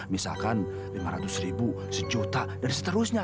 misalkan lima ratus ribu sejuta dan seterusnya